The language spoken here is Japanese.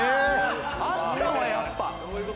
あったわ、やっぱ。